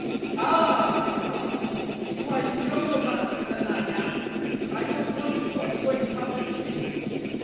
"Ah!" said Marks, "you are a younger man than I am. I don't know what's going to happen to me."